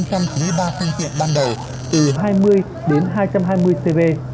bốn trăm chín mươi ba thanh kiện ban đầu từ hai mươi đến hai trăm hai mươi cv